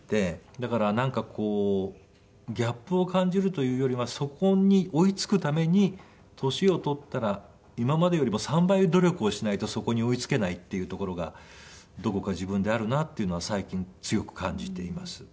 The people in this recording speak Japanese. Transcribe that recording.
だからなんかこうギャップを感じるというよりはそこに追い付くために年を取ったら今までよりも３倍努力をしないとそこに追い付けないっていうところがどこか自分であるなというのは最近強く感じています。